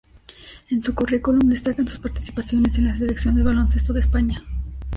En su currículum destacan sus participaciones en la Selección de baloncesto de España.